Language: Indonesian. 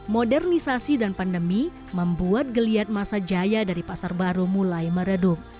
modernisasi dan pandemi membuat geliat masa jaya dari pasar baru mulai meredup